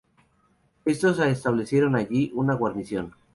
Estos establecieron allí una guarnición.